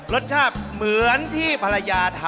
รสชาติเหมือนที่ภรรยาทำ